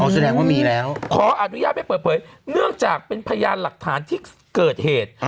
แสดงว่ามีแล้วขออนุญาตไม่เปิดเผยเนื่องจากเป็นพยานหลักฐานที่เกิดเหตุ